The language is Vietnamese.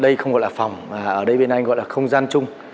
đây không gọi là phòng mà ở đây bên anh gọi là không gian chung